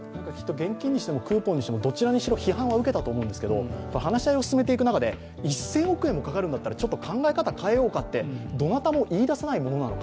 現金にしてもクーポンにしてもどちらにしても批判は受けたと思うんですけれども、話し合いを進めていく中で１０００億円もかかるなら考え方を変えようかとどなたも言いださないものなのか。